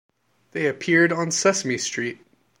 They appeared on Sesame Street.